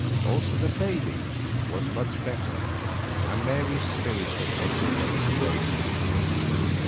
Also the baby was much better, and Mary's spirits were consequently radiant.